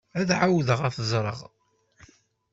Ad ɛawdeɣ ad t-ẓreɣ.